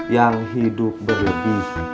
yang hidup berlebih